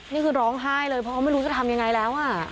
นี่คือร้องไห้เลยเพราะเขาไม่รู้จะทำยังไงแล้ว